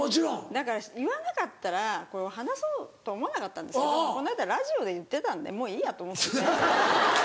だから言わなかったらこれを話そうと思わなかったんですけどこの間ラジオで言ってたんでもういいやと思って。